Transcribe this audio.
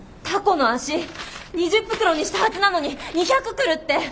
たこの足２０袋にしたはずなのに２００来るって！